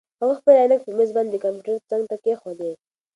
هغه خپلې عینکې په مېز باندې د کمپیوټر څنګ ته کېښودې.